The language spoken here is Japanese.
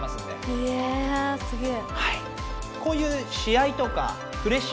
いやすげえ。